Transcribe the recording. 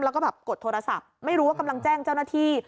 แล้วก็แบบกดโทรศัพท์ไม่รู้ว่ากำลังแจ้งเจ้าหน้าที่